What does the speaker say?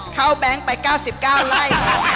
เข้าแบงค์ไป๙๙ไล่